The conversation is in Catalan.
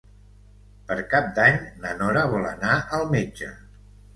Per Cap d'Any na Nora vol anar al metge.